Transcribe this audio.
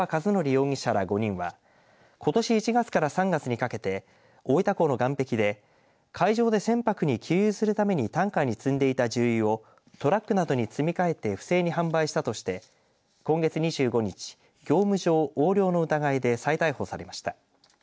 容疑者ら５人はことし１月から３月にかけて大分港の岸壁で海上で船舶に給油するためにタンカーに積んでいた重油をトラックなどに積み替えて不正に販売したとして今月２５日、業務上横領の疑いで再逮捕されました。